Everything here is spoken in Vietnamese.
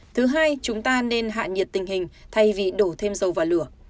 thứ hai chúng ta nên hạ nhiệt tình hình thay vì đổ thêm dầu vào lửa